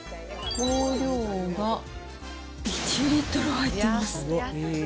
容量が、１リットル入ってます。